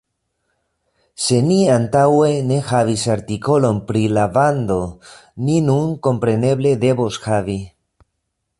Se ni antaŭe ne havis artikolon pri la bando ni nun kompreneble devos havi!